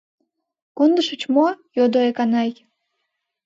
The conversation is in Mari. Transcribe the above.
— Кондышыч мо? — йодо Эканай.